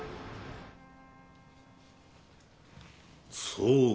そうか。